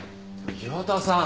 岩田さん！